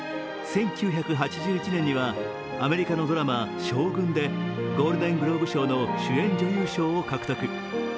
１９８１年には、アメリカのドラマ「将軍ＳＨＯＧＵＮ」でゴールデングローブ賞の主演女優賞を獲得。